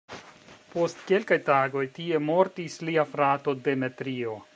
Post kelkaj tagoj tie mortis lia frato "Demetrio".